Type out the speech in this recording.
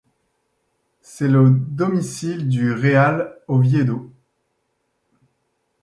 C'est le domicile du Real Oviedo.